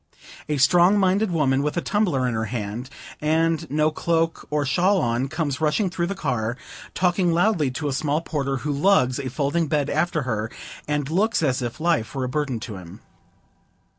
A strong minded woman, with a tumbler in her hand, and no cloak or shawl on, comes rushing through the car, talking loudly to a small porter, who lugs a folding bed after her, and looks as if life were a burden to him.